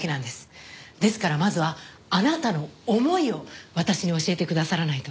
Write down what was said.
ですからまずはあなたの思いを私に教えてくださらないと。